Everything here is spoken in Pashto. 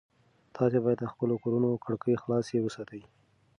تاسي باید د خپلو کورونو کړکۍ خلاصې وساتئ.